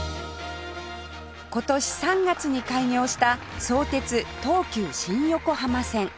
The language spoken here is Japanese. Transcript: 今年３月に開業した相鉄・東急新横浜線